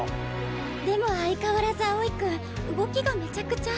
でも相変わらず青井君動きがめちゃくちゃ。